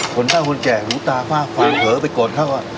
คนเจ้าคนแก่งรู้ตาฝ้าฝ่าเผลอไปกดเขาอ่ะ